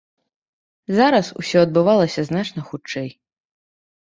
Зараз усё адбывалася значна хутчэй.